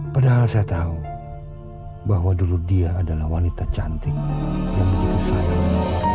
padahal saya tahu bahwa dulu dia adalah wanita cantik yang begitu sayang